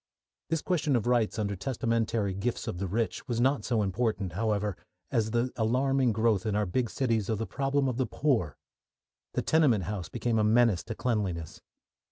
This question of rights under testamentary gifts of the rich was not so important, however, as the alarming growth in our big cities of the problem of the poor. The tenement house became a menace to cleanliness.